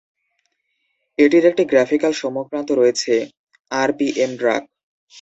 এটির একটি গ্রাফিক্যাল সম্মুখ-প্রান্ত রয়েছে: আরপিএমড্রাক।